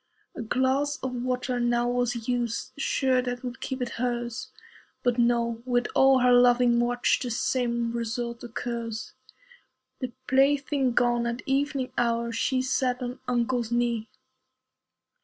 A glass of water now was used, Sure that would keep it hers. But no! with all her loving watch The same result occurs. The plaything gone, at evening hour She sat on uncle's knee.